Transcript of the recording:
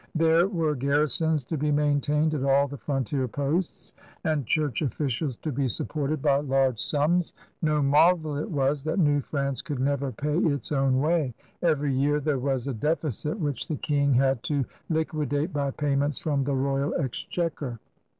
There were garrisons to be maintained at all the frontier posts and church officials to be supported by large sums. No marvel it was that New Prance could never pay its own way. Every year there was a deficit which the King had to liquidate by payments from the royal exchequer.